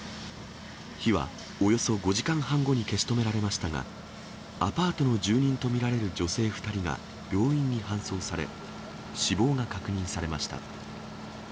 火はおよそ５時間半後に消し止められましたが、アパートの住人と見られる女性２人が病院に搬送され、死亡が確認されました。